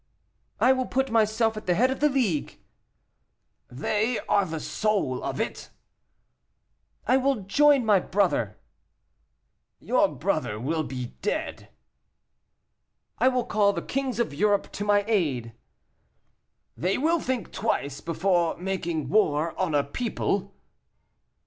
"I will put myself at the head of the League." "They are the soul of it." "I will join my brother." "Your brother will be dead." "I will call the kings of Europe to my aid." "They will think twice before making war on a people."